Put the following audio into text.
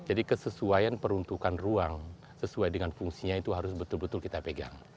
jadi kesesuaian peruntukan ruang sesuai dengan fungsinya itu harus betul betul kita pegang